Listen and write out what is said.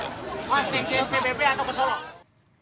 wah sekil vbp atau ke solo